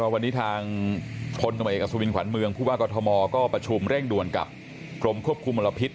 วันนี้ทางพลตำรวจเอกสุวินขวัญเมืองผู้ว่ากอทมก็ประชุมเร่งด่วนกับกรมควบคุมมลพิษ